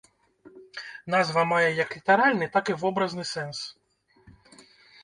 Назва мае як літаральны, так і вобразны сэнс.